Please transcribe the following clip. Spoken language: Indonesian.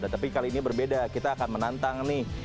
tapi kali ini berbeda kita akan menantang nih